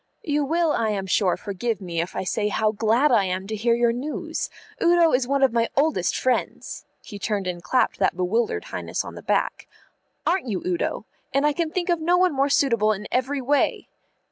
"You will, I am sure, forgive me if I say how glad I am to hear your news. Udo is one of my oldest friends" he turned and clapped that bewildered Highness on the back "aren't you, Udo? and I can think of no one more suitable in every way."